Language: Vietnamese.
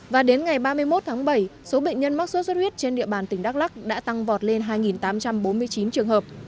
và đến ngày ba mươi một tháng bảy số bệnh nhân mắc sốt xuất huyết trên địa bàn tỉnh đắk lắc đã tăng vọt lên hai tám trăm bốn mươi chín trường hợp